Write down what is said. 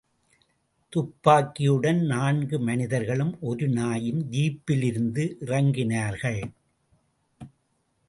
துப்பாக்கியுடன் நான்கு மனிதர்களும், ஒரு நாயும் ஜீப்பிலிருந்து இறங்கினர்கள்.